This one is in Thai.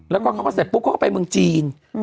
แล้วก็เขาก็เสร็จปุ๊บเขาก็ไปเมืองจีน